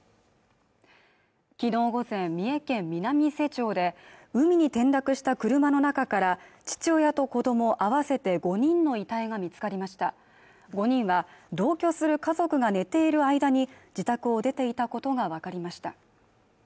昨日午前三重県南伊勢町で海に転落した車の中から父親と子ども合わせて５人の遺体が見つかりました５人は同居する家族が寝ている間に自宅を出ていたことが分かりました